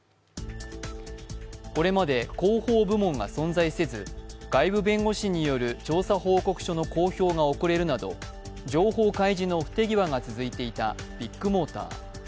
これまで広報部門が存在せず外部弁護士による調査報告書の公表が遅れるなど、情報開示の不手際が続いていたビッグモーター。